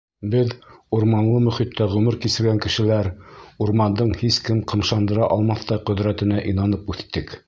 Беҙ, урманлы мөхиттә ғүмер кисергән кешеләр, урмандың һис кем ҡымшандыра алмаҫтай ҡөҙрәтенә инанып үҫтек.